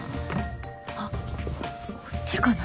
あこっちかな？